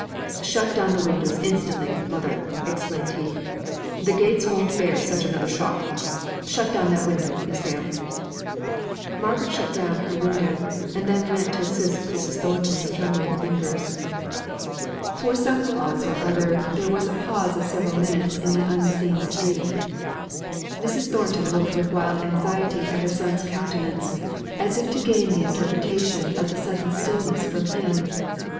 "Shut down the windows instantly, mother," exclaimed he: "the gates won't bear such another shock. Shut down that window, Miss Hale." Margaret shut down her window, and then went to assist Mrs. Thornton's trembling fingers. From some cause or other, there was a pause of several minutes in the unseen street. Mrs. Thornton looked with wild anxiety at her son's countenance, as if to gain the interpretation of the sudden stillness from him.